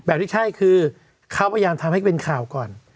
ที่ใช่คือเขาพยายามทำให้เป็นข่าวก่อน